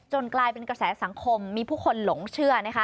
กลายเป็นกระแสสังคมมีผู้คนหลงเชื่อนะคะ